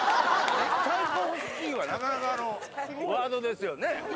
チャイコフスキーはなかなかのワードですよね。